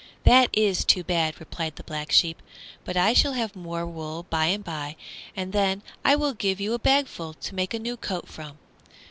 "That is too bad," replied the Black Sheep; "but I shall have more wool by and by, and then I will give you a bagful to make a new coat from."